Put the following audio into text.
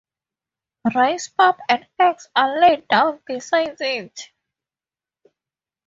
Rice pap and eggs are laid down beside it.